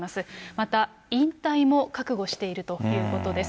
また、引退も覚悟しているということです。